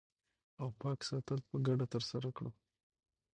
او پاک ساتل په ګډه ترسره کړو